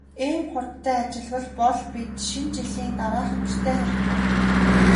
Ийм хурдтай ажиллавал бол бид Шинэ жилийн дараахан гэртээ харих байх.